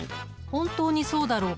本当にそうだろうか？